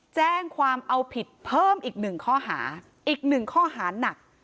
แจ้งความเอาผิดเพิ่มอีกหนึ่งข้อหาอีกหนึ่งข้อหานัก